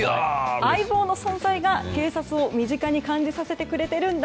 「相棒」の存在が警察を身近に感じさせてくれてるんだ